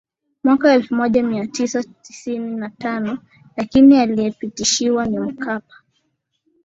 mwaka elfu moja Mia Tisa tisini na tano lakini aliyepitishwa ni Mkapa